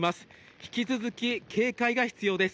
引き続き警戒が必要です。